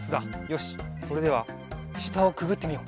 よしそれではしたをくぐってみよう。